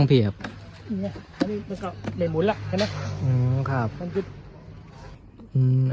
เนทนี้มันเก่าเด่นหมุนละเคอะนะอืมครับ